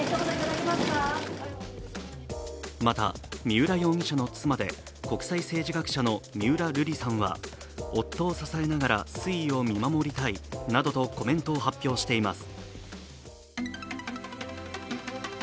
また三浦容疑者の妻で国際政治学者の三浦瑠麗さんは夫を支えながら推移を見守りたいなどとコメントを発表しています。